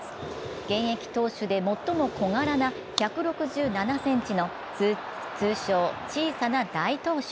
現役投手で最も小柄な１６７ｃｍの、通称・小さな大投手。